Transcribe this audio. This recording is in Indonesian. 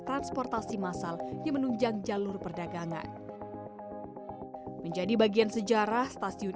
transportasi masal yang menunjang jalur perdagangan menjadi bagian sejarah stasiun